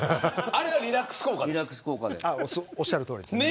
あれはリラックス効果で。